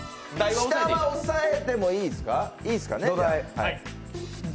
下は押さえてもいいです。